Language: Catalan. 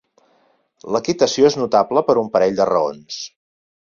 L'equitació és notable per un parell de raons.